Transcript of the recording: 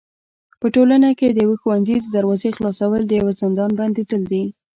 په ټولنه کي د يوي ښوونځي د دروازي خلاصول د يوه زندان بنديدل دي.